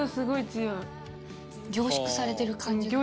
凝縮されてる感じが。